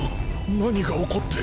何が起こって。